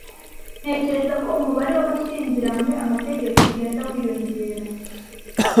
Ntekereza ko umubare w'abashyingiranywe-amategeko ugenda wiyongera.